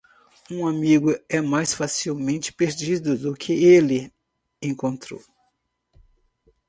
Um amigo é mais facilmente perdido do que ele encontrou.